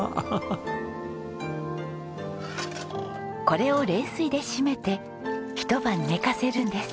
これを冷水で締めてひと晩寝かせるんです。